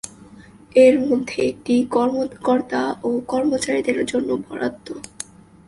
এর মধ্যে একটি কর্মকর্তা ও কর্মচারীদের জন্য বরাদ্দ।